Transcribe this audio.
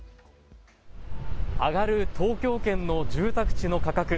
上がる東京圏の住宅地の価格。